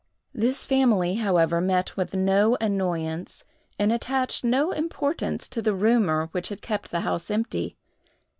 This family, however, met with no annoyance, and attached no importance to the rumor which had kept the house empty.